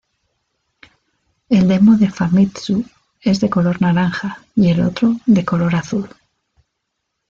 El demo de Famitsu es de color naranja y el otro de color azul.